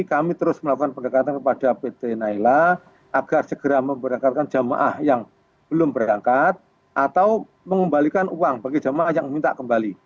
kami terus melakukan pendekatan kepada pt naila agar segera memberangkatkan jamaah yang belum berangkat atau mengembalikan uang bagi jamaah yang minta kembali